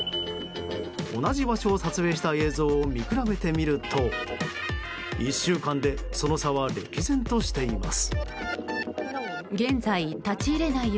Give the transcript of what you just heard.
同じ場所を撮影した映像を見比べてみると１週間でその差は歴然としています。